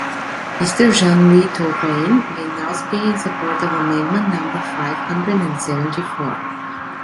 Mr. Jean-Louis Touraine may now speak in support of Amendment number five hundred and seventy-four.